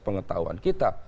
ada yang mengetahuan kita